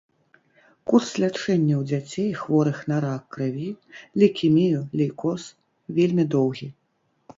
Курс лячэння ў дзяцей, хворых на рак крыві, лейкемію, лейкоз, вельмі доўгі.